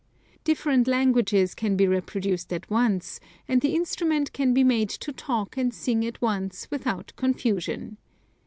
Different languages can be reproduced at once, and the instrument can be made to talk and sing at once without confusion.